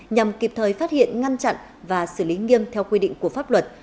nhằm kịp thời phát hiện ngăn chặn và xử lý nghiêm theo quy định của pháp luật